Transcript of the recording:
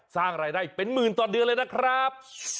สร้างรายได้เป็นหมื่นต่อเดือนเลยนะครับ